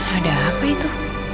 ada apa itu